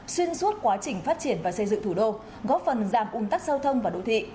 xuyên suốt quá trình phát triển và xây dựng thủ đô góp phần giảm ung tắc giao thông và đô thị